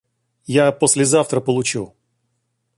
Я послезавтра получу.